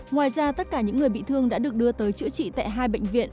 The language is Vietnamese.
ngoài ra tất cả những người bị thương đã được đưa tới chữa trị tại hai bệnh viện